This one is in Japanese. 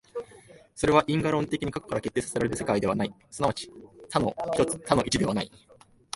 それは因果論的に過去から決定せられる世界ではない、即ち多の一ではない。